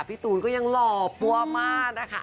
พี่ตูนก็ยังหล่อปั้วมากนะคะ